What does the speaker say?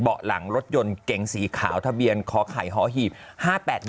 เบาะหลังรถยนต์เกงสีขาวทะเบียนคไขฮหห